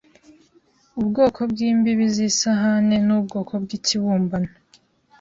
Ubwoko bwimbibi zisahani nubwoko bwikibumbano